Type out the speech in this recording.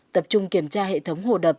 tập trung kiểm tra hệ thống hồ đập